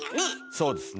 そうですね。